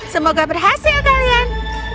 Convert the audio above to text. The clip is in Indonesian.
semoga berhasil kalian